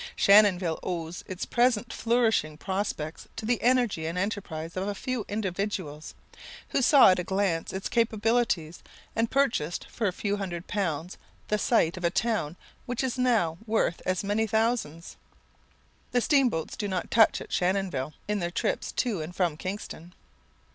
Shannonville owes its present flourishing prospects to the energy and enterprise of a few individuals, who saw at a glance its capabilities, and purchased for a few hundred pounds the site of a town which is now worth as many thousands. The steamboats do not touch at Shannonville, in their trips to and from Kingston.